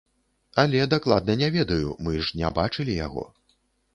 Але дакладна не ведаю, мы ж не бачылі яго.